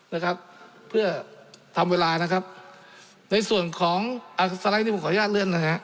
นะครับเพื่อทำเวลานะครับในส่วนของอ่าสไลด์นี่ผมขออนุญาตเลื่อนนะฮะ